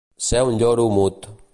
Ser un lloro mut.